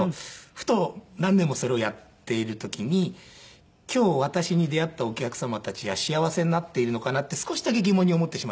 ふと何年もそれをやっている時に今日私に出会ったお客様たちは幸せになっているのかなって少しだけ疑問に思ってしまって。